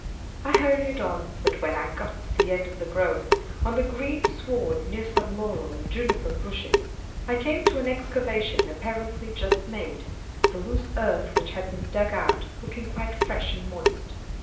I hurried on, but when I got to the end of the grove, on the green sward near some laurel and juniper bushes, I came on an excavation apparently just made, the loose earth which had been dug out looking quite fresh and moist.